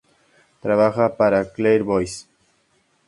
Trabaja para Clare Voice.